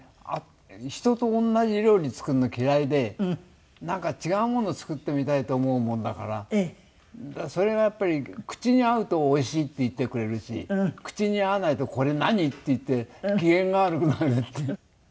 人と同じ料理を作るの嫌いでなんか違うもの作ってみたいと思うもんだからそれがやっぱり口に合うと「おいしい」って言ってくれるし口に合わないと「これ何？」って言って機嫌が悪くなるっていう。